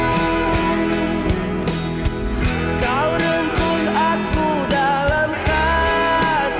sekarang kau menyesalkan pak